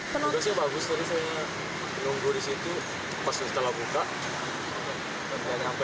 penunggu sih bagus tadi saya menunggu di situ pas kita telah buka